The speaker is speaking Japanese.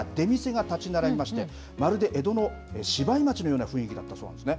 姫路城の三の丸広場に劇場や出店が立ち並びまして、まるで江戸の芝居町のような雰囲気だったそうです。